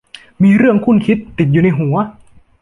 มีเรื่องครุ่นคิดติดอยู่ในหัว